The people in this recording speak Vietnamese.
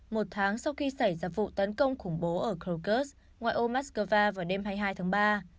một tháng sau khi xảy ra vụ tấn công khủng bố ở krokus ngoại ô moscow vào đêm hai mươi hai tháng ba